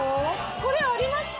これありました？